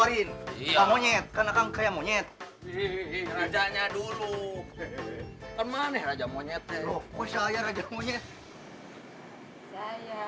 bu saya mau mencari suami ibu